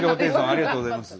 ありがとうございます。